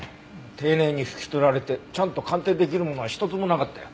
丁寧に拭き取られてちゃんと鑑定出来るものは一つもなかったよ。